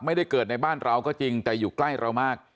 ไม่ได้เกิดในบ้านเราก็จริงแต่อยู่ใกล้เรามาก